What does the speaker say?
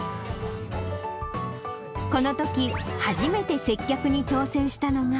このとき、初めて接客に挑戦したのが。